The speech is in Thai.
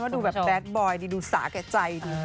ดูแบบแบดบอยดีดูสาใกล้ใจดี